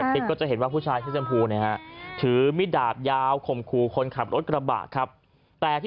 เป็นไรอ่ะคุณมีดาบแก